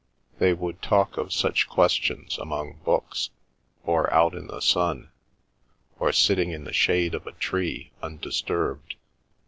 They would talk of such questions among books, or out in the sun, or sitting in the shade of a tree undisturbed.